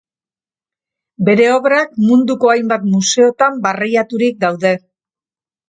Bere obrak munduko hainbat museotan barreiaturik daude.